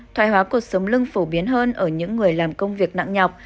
thoài hóa cột sống lưng phổ biến hơn ở những người làm công việc nặng nhọc